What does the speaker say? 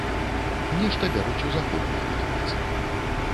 Нешта бяруць у заходніх вытворцаў.